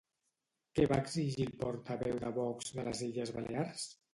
Què va exigir el portaveu de Vox de les Illes Balears?